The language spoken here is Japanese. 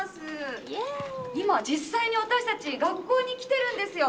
今、実際に私たち学校に来てるんですよ！